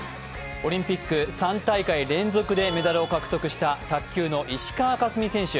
オリンピック３大会連続でメダルを獲得した卓球の石川佳純選手。